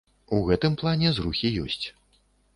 У гэтым плане зрухі ёсць.